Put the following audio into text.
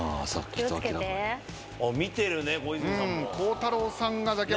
見てるね小泉さんも。